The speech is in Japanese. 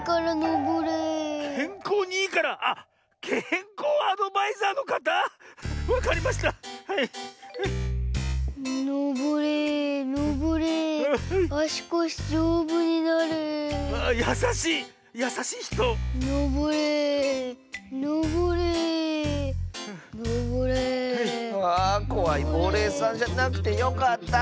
ぼうれいさんじゃなくてよかった！